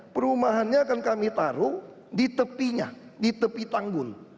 perumahannya akan kami taruh di tepinya di tepi tanggul